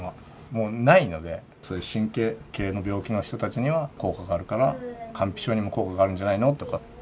もうないので、そういう神経系の病気の人たちには効果があるから、乾皮症にも効果があるんじゃないのとか。